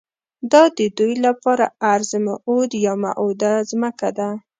دا ددوی لپاره ارض موعود یا موعوده ځمکه ده.